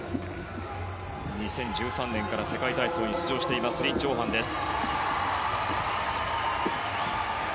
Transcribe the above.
２０１３年から世界体操に出場しているリン・チョウハンです。